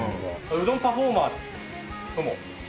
うどんパフォーマーとも一応。